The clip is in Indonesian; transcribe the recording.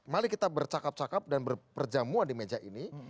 mari kita bercakap cakap dan berperjamuan di meja ini